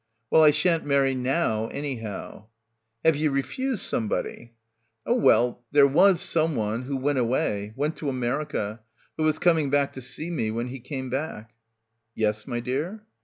"Well, I shan't marry now anyhow." "Have ye refused somebody?" "Oh well — there was someone — who went away — went to America — who was coming back to see me when he came back " "Yes, my dear?"